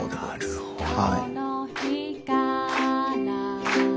なるほど。